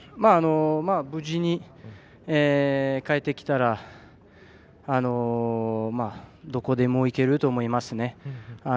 無事に帰ってきたらどこでもいけると思いますね。